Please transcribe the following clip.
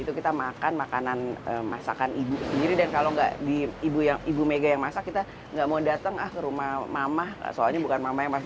kita makan makanan masakan ibu sendiri dan kalau nggak di ibu mega yang masak kita nggak mau datang ke rumah mama soalnya bukan mama ya mas